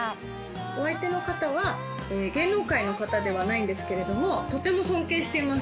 お相手の方は芸能界の方ではないんですけれども、とても尊敬しています。